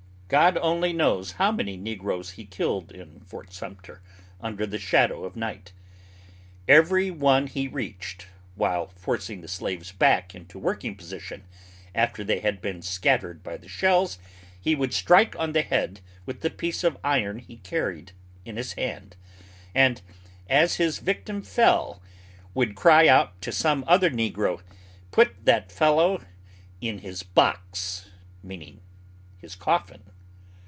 God only knows how many negroes he killed in Port Sumter under the shadow of night. Every one he reached, while forcing the slaves back into working position after they had been scattered by the shells, he would strike on the head with the piece of iron he carried in his hand, and, as his victim fell, would cry out to some other negro, "Put that fellow in his box," meaning his coffin.